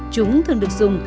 chúng thường được dùng